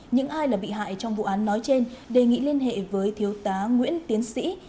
những ai là bị hại trong vụ án nói trên đề nghị liên hệ với thiếu tá nguyễn tiến sĩ